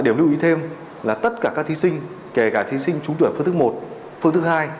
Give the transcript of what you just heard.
đều lưu ý thêm là tất cả các thí sinh kể cả thí sinh trúng tuyển phương thức một phương thức hai